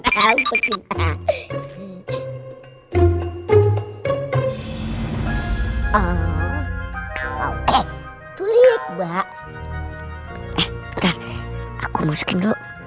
tulis mbak aku masukin